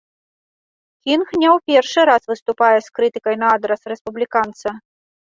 Кінг не ў першы раз выступае з крытыкай на адрас рэспубліканца.